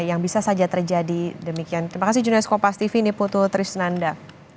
yang bisa saja terjadi demikian terima kasih jurnalist kompas tv niputu trisnanda